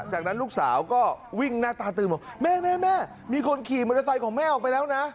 จากนั้นลูกสาวก็วิ่งหน้าตาตื่นบอกแม่แม่มีคนขี่มอเตอร์ไซค์ของแม่ออกไปแล้วนะ